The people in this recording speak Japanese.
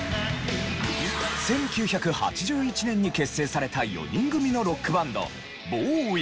１９８１年に結成された４人組のロックバンドＢＯＷＹ。